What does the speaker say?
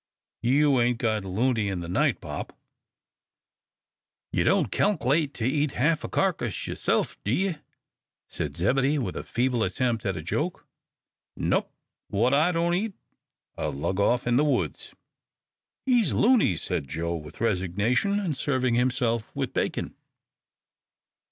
"You ain't got loony in the night, pop?" "Y' don't calklate to eat half a carcass y'rself, do ye?" said Zebedee, with a feeble attempt at a joke. "Nop what I don't eat, I'll lug off in the woods." "He's loony," said Joe, with resignation, and serving himself with bacon.